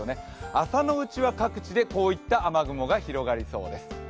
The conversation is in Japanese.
朝のうちは各地でこういった雨雲が広がりそうです。